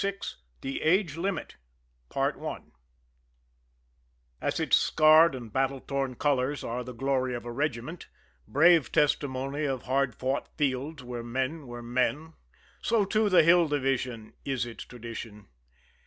VI THE AGE LIMIT As its scarred and battle torn colors are the glory of a regiment, brave testimony of hard fought fields where men were men, so to the Hill Division is its tradition.